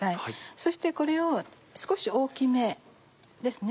そしてこれを少し大きめですね。